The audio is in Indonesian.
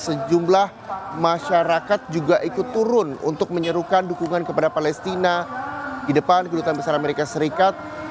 sejumlah masyarakat juga ikut turun untuk menyerukan dukungan kepada palestina di depan kedutaan besar amerika serikat